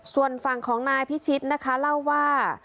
ส่วนฝั่งของนายพิชิตนะคะเล่าว่า